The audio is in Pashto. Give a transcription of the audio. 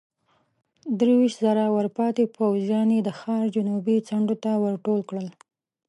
درويشت زره ورپاتې پوځيان يې د ښار جنوبي څنډو ته ورټول کړل.